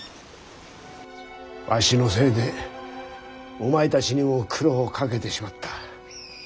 わしのせいでお前たちにも苦労をかけてしまった。